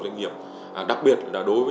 doanh nghiệp đặc biệt là đối với